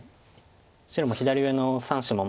白も左上の３子もまだ。